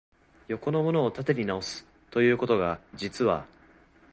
横のものを縦に直す、ということが、実は、